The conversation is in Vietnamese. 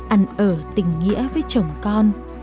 ăn ở tình nghĩa với chồng con